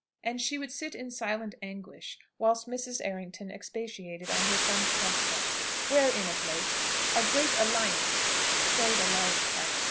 And she would sit in silent anguish whilst Mrs. Errington expatiated on her son's prospects; wherein, of late, a "great alliance" played a large part.